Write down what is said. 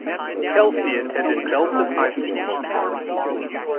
Kelsey attended Belton High School.